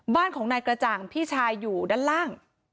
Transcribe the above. บ้านของนายกระจ่างพี่ชายอยู่ด้านล่าง